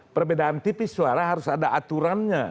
perbedaan tipis suara harus ada aturannya